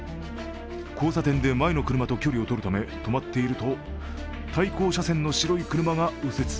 交差点で前の車と距離をとるため止まっていると対向車線の白い車が右折。